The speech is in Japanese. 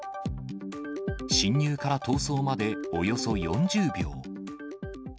侵入から逃走までおよそ４０秒。